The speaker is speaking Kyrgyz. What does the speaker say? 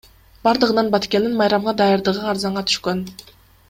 Бардыгынан Баткендин майрамга даярдыгы арзанга түшкөн.